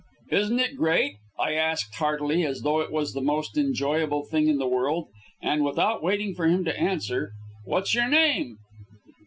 "Isn't it great?" I asked heartily, as though it was the most enjoyable thing in the world; and, without waiting for him to answer: "What's your name?"